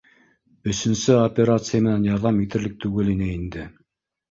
Өсөнсө операция менән ярҙам итерлек түгел ине инде